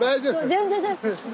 全然大丈夫。